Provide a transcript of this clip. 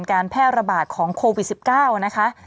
การแพร่ระบาดของโควิด๑๙นะคะ